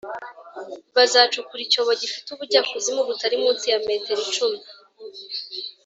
bazacukura icyobo gifite ubujyakuzimu butari munsi ya metero icumi